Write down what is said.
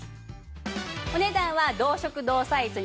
お値段は同色同サイズ